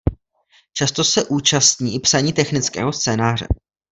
Často se účastní i psaní technického scénáře.